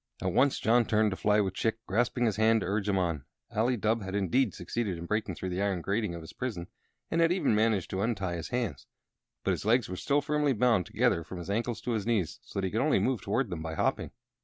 At once John turned to fly, with Chick grasping his hand to urge him on. Ali Dubh had indeed succeeded in breaking through the iron grating of his prison, and had even managed to untie his hands. But his legs were still firmly bound together from his ankles to his knees, so that he could only move toward them by hopping.